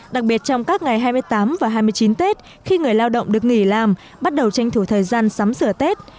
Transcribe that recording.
đặc biệt trong các ngày hai mươi tám và hai mươi chín tết khi người lao động được nghỉ làm bắt đầu tranh thủ thời gian sắm sửa tết